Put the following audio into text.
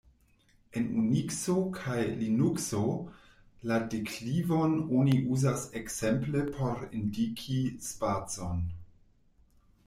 En Unikso kaj Linukso la deklivon oni uzas ekzemple por indiki spacon.